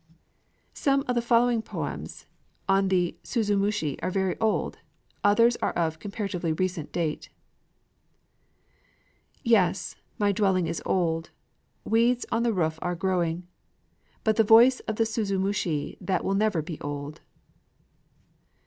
] Some of the following poems on the suzumushi are very old; others are of comparatively recent date: Yes, my dwelling is old: weeds on the roof are growing; But the voice of the suzumushi that will never be old!